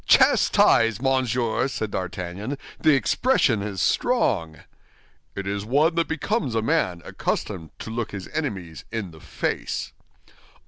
"Chastised, Monsieur!" said D'Artagnan, "the expression is strong." "It is one that becomes a man accustomed to look his enemies in the face."